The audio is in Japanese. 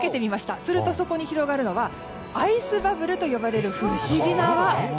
すると、そこに広がるのはアイスバブルと呼ばれる不思議な泡。